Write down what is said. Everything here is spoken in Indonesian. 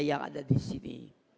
yang ada disini